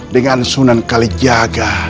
dengan sunan kali jaga